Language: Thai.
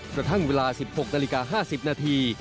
กระทั่งเวลา๑๖นาฬิกา๕๐นาที